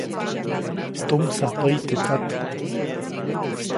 Tumsaj päyi te tsat.